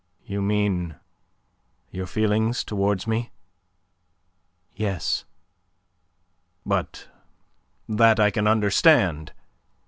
"You mean your feelings towards me?" "Yes." "But that I can understand.